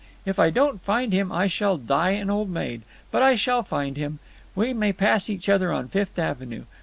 If I don't find him I shall die an old maid. But I shall find him. We may pass each other on Fifth Avenue.